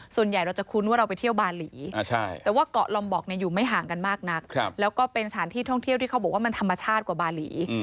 ส่วนใหญ่เราจะคุ้นว่าเราไปเที่ยวบาหลี